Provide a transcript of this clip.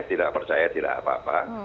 tidak percaya tidak apa apa